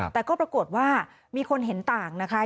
แต่ก็ปรากฏว่ามีคนเห็นต่างนะคะ